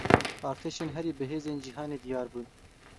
Artêşên herî bihêz ên cîhanê diyar bûn.